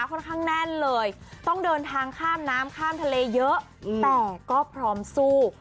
ค่อนข้างแน่นเลยต้องเดินทางข้ามน้ำข้ามทะเลเยอะแต่ก็พร้อมสู้